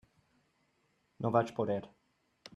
No vaig poder.